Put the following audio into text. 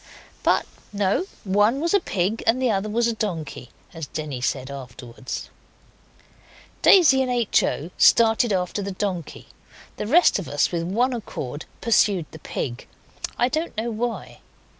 But no, one was a pig and the other was a donkey, as Denny said afterwards. Daisy and H. O. started after the donkey; the rest of us, with one accord, pursued the pig I don't know why.